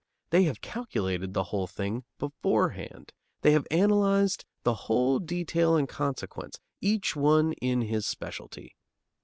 They have calculated the whole thing beforehand; they have analyzed the whole detail and consequence, each one in his specialty.